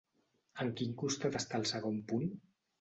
En quin costat està el segon punt?